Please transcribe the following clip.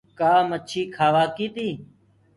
ڪآ مڇي کآوآ ڪي تي؟